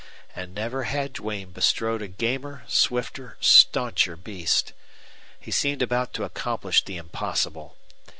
And never had Duane bestrode a gamer, swifter, stancher beast. He seemed about to accomplish the impossible.